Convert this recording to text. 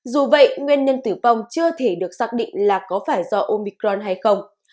dù vậy nguyên nhân tử vong chưa thể được xác định là có phải do omicron hay không